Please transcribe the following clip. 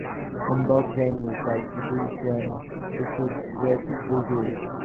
In both venues, the exhibition received rave reviews.